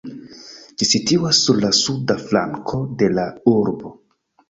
Ĝi situas sur la suda flanko de la urbo.